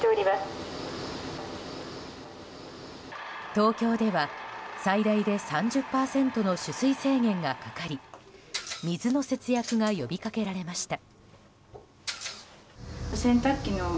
東京では最大で３０％の取水制限がかかり水の節約が呼びかけられました。